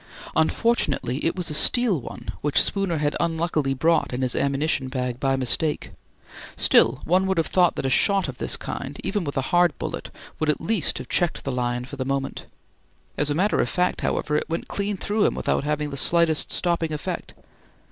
Unfortunately it was a steel one which Spooner had unluckily brought in his ammunition bag by mistake; still one would have thought that a shot of this kind, even with a hard bullet, would at least have checked the lion for the moment. As a matter of fact, however, it went clean through him without having the slightest stopping effect.